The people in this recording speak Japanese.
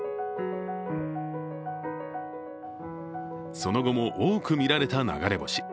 その後も、多く見られた流れ星。